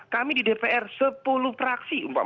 kami di dpr sepuluh fraksi umpama